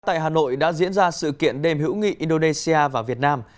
tại hà nội đã diễn ra sự kiện đềm hữu nghị indonesia và việt nam